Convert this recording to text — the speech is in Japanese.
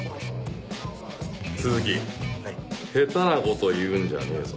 下手なこと言うんじゃねえぞ。